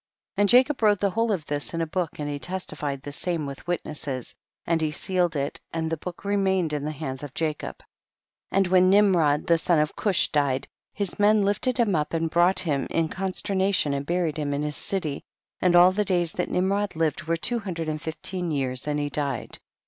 14. And Jacob wrote the whole of this in a book, and he testified the same with witnesses, and he sealed it, and the book remained in the hands of Jacob. 15. And when Nimrod the son of Cush died, his men lifted him up and brought him in consternation, and buried him in his city, and all the days that Nimrod lived were two hundred and fifteen years and he died.